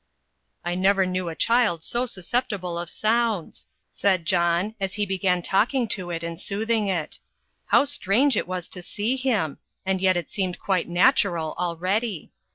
"I never knew a child so susceptible of sounds," said John, as he began talking to it and soothing it; how strange it was to see him! and yet it seemed quite natural already.